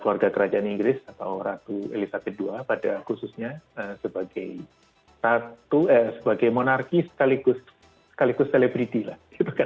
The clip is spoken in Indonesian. keluarga kerajaan inggris atau ratu elizabeth ii pada khususnya sebagai monarki sekaligus selebriti lah